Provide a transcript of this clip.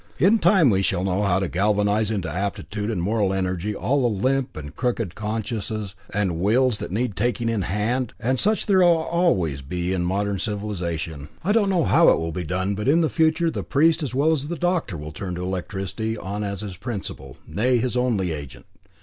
In time we shall know how to galvanise into aptitude and moral energy all the limp and crooked consciences and wills that need taking in hand, and such there always will be in modern civilisation. I don't know how to do it. I don't know how it will be done, but in the future the priest as well as the doctor will turn electricity on as his principal, nay, his only agent.